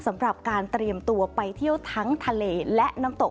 สำหรับการเตรียมตัวไปเที่ยวทั้งทะเลและน้ำตก